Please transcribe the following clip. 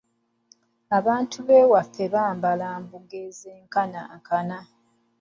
Abantu b'ewaffe bambala embugo ezenkanankana.